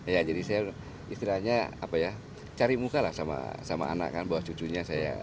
ya jadi saya istilahnya apa ya cari muka lah sama anak kan bawa cucunya saya